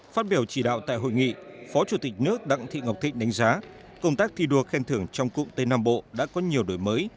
phát biểu chỉ đạo tại hội nghị phó chủ tịch nước đặng thị ngọc thịnh đánh giá công tác thi đua khen thưởng trong cụm tây nam bộ đã có nhiều đổi mới